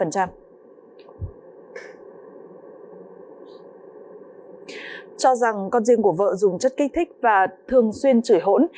cho rằng con riêng của vợ dùng chất kích thích và thường xuyên chửi hỗn